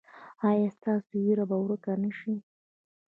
ایا ستاسو ویره به ورکه نه شي؟